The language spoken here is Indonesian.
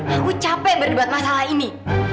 aku capek berdebat masalah ini